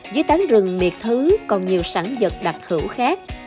dưới tán rừng miệt thứ còn nhiều sản vật đặc hữu khác